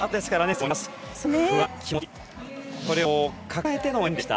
それを抱えての演技でした。